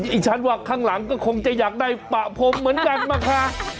อีกฉันว่าข้างหลังก็คงจะอยากได้ปะพรมเหมือนกันนะคะ